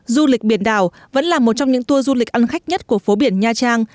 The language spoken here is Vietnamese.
du lịch biển đảo vẫn là một trong những tour du lịch ăn khách nhất của phố biển nha trang